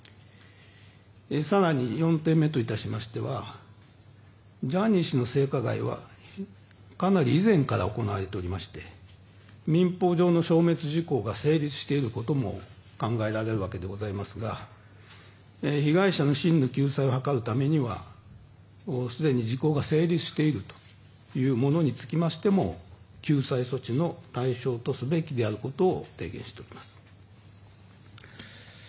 更に、４点目といたしましてはジャニー氏の性加害はかなり以前から行われていまして民法上の消滅時効が成立していることも考えられるわけでございますが被害者の真の救済を図るためにはすでに時効が成立しているというものにつきましても救済措置の対象とすべきであることを提言しております。